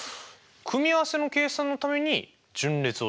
組合せの計算のために順列を利用する。